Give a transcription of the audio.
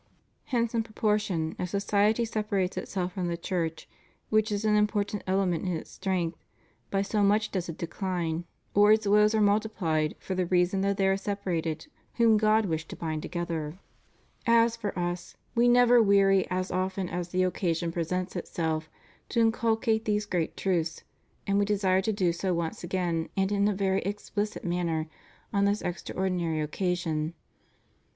Hence in proportion as society separates itself from the Church, which is an important element in its strength, by so much does it decline, or its woes are multiplied for the reason that they are sepa rated whom God wished to bind together. 576 REVIEW OF HIS PONTIFICATE. As for Us, We never weary as often as the occasion presents itself to inculcate these great truths, and We desire to do so once again and in a very explicit manner on this extraordinary occasion.